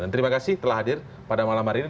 dan terima kasih telah hadir pada malam hari ini